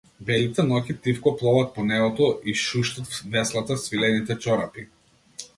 Белите ноќи тивко пловат по небото, и шуштат веслата, свилените чорапи.